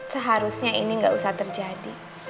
seharusnya ini nggak usah terjadi